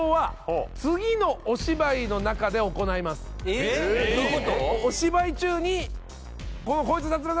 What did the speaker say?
えっどういうこと？